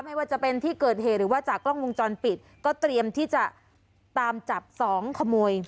ไม่ว่าจะเป็นที่เกิดเหตุหรือว่าจากกล้องวงจรปิดก็เตรียมที่จะตามจับสองขโมย